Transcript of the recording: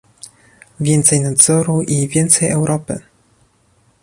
więcej nadzoru i więcej Europy